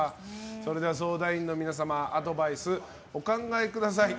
それでは相談員の皆様アドバイス、お考えください。